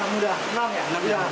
enam meter ya